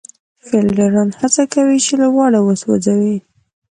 فېلډران هڅه کوي، چي لوبغاړی وسوځوي.